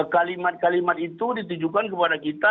kalimat kalimat itu ditujukan kepada kita